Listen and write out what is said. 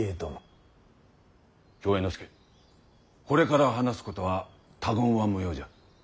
これから話すことは他言は無用じゃ。